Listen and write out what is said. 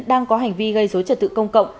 đang có hành vi gây dối trật tự công cộng